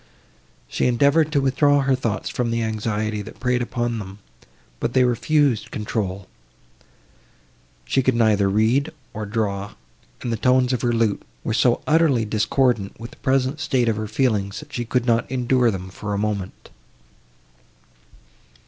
She endeavoured to withdraw her thoughts from the anxiety, that preyed upon them, but they refused control; she could neither read, nor draw, and the tones of her lute were so utterly discordant with the present state of her feelings, that she could not endure them for a moment.